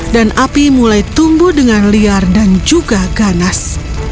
dan api mulai tumbuh dengan liar dan juga ganas